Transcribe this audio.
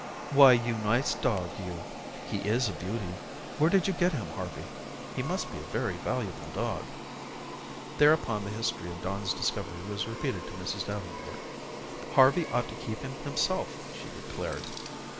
"Why, you nice dog, you. He is a beauty. Where did you get him, Harvey? He must be a very valuable dog." Thereupon the history of Don's discovery was repeated to Mrs. Davenport. "Harvey ought to keep him himself," she declared.